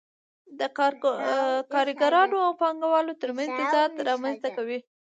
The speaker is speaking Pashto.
دا د کارګرانو او پانګوالو ترمنځ تضاد رامنځته کوي